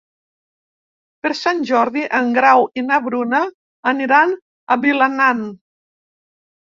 Per Sant Jordi en Grau i na Bruna aniran a Vilanant.